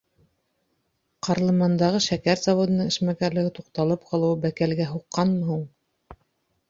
Ҡарлымандағы шәкәр заводының эшмәкәрлеге туҡталып ҡалыуы бәкәлгә һуҡҡанмы һуң?